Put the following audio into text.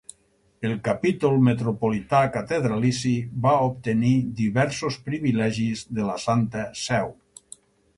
El Capítol Metropolità Catedralici va obtenir diversos privilegis de la Santa Seu.